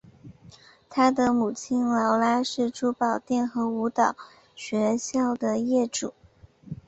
她的母亲劳拉是珠宝店和舞蹈学校的业主。